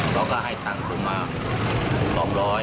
เขาก็ให้ตังค์ผมมา๒๐๐บาท